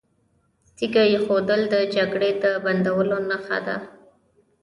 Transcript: تیږه ایښودل د جګړې د بندولو نښه ده.